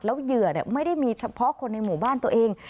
แล้วเหยื่อไม่ได้มีเฉพาะคนในหมู่บ้านตัวเอง